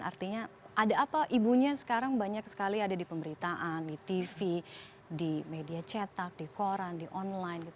artinya ada apa ibunya sekarang banyak sekali ada di pemberitaan di tv di media cetak di koran di online gitu